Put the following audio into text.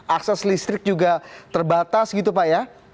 akses listrik juga terbatas gitu pak ya